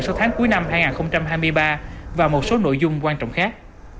sau tháng cuối năm hai nghìn hai mươi ba và một số nội dung quan trọng khác